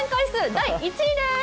第１位です。